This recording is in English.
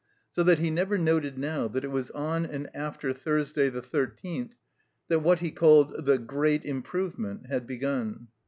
So that he never noted now that it was on and after Thursday, the thirteenth, that what he called the Great Im provement had begun.